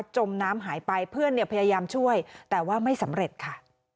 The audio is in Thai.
จมน้ำหายไปเพื่อนพยายามช่วยแต่ว่าไม่สำเร็จค่ะ